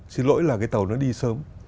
xin lỗi là cái tàu nó đi sớm